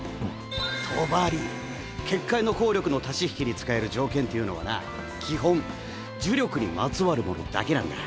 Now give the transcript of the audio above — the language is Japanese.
帳結界の効力の足し引きに使える条件っていうのはな基本呪力にまつわるものだけなんだ。